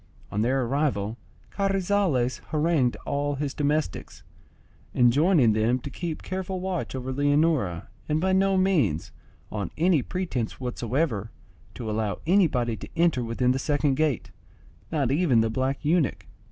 On their arrival Carrizales harangued all his domestics, enjoining them to keep careful watch over Leonora, and by no means, on any pretence whatsoever, to allow anybody to enter within the second gate, not even the black eunuch.